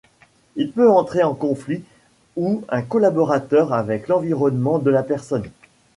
Il peut entrer en conflit ou en collaboration avec l'environnement de la personne.